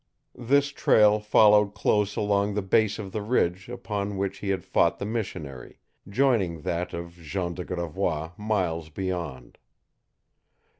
This trail followed close along the base of the ridge upon which he had fought the missionary, joining that of Jean de Gravois miles beyond.